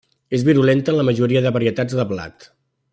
És virulenta en la majoria de varietats de blat.